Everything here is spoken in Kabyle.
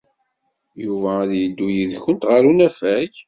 Yuba ad yeddu yid-went ɣer unafag.